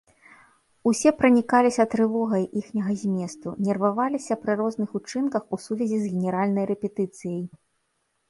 Усе пранікаліся трывогай іхняга зместу, нерваваліся пры розных учынках у сувязі з генеральнай рэпетыцыяй.